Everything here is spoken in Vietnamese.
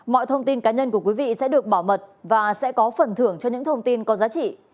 mọi thông tin cá nhân của quý vị sẽ được bảo mật và sẽ có phần thưởng cho những thông tin có giá trị